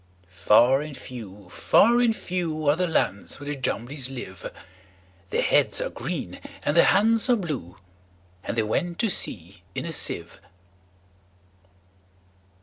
Far and few, far and few, Are the lands where the Jumblies live:Their heads are green, and their hands are blue; And they went to sea in a sieve.